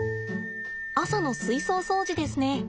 朝の水槽掃除ですね。